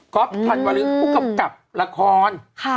ก๊อปทันวาลินผู้กำกับละคร